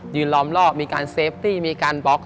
ล้อมรอบมีการเซฟตี้มีการบล็อก